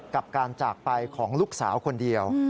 กับการจากไปของลูกสาวคนเดียว